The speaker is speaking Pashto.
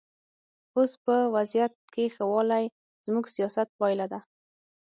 اوس په وضعیت کې ښه والی زموږ سیاست پایله ده.